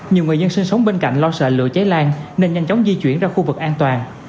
nhiều người dân sinh sống bên cạnh lo sợ lửa cháy lan nên nhanh chóng di chuyển ra khu vực an toàn